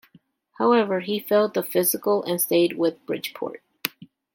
However, he failed the physical and stayed with Bridgeport.